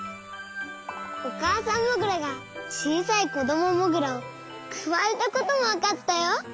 おかあさんモグラがちいさいこどもモグラをくわえたこともわかったよ。